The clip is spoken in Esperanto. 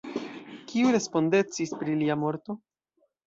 Kiu respondecis pri lia morto?